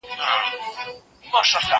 زه اجازه لرم چي انځور وګورم!.